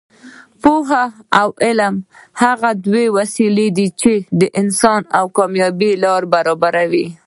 پوهه او علم هغه دوه وسلې دي چې د انسان د کامیابۍ لاره برابروي.